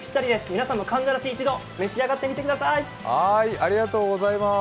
皆さんも、かんざらし一度、召し上がってみてください。